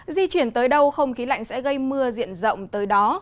di chuyển tới đâu không khí lạnh sẽ gây mưa diện rộng tới đó